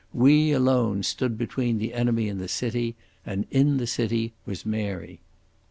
We alone stood between the enemy and the city, and in the city was Mary.